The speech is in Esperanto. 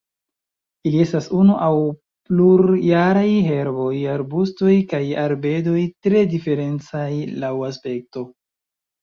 Ili estas unu aŭ plurjaraj herboj, arbustoj kaj arbedoj tre diferencaj laŭ aspekto.